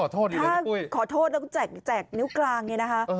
ถ้าขอโทษแล้วก็แจกนิ้วกลางเนี่ยนะคะ